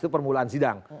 itu permulaan sidang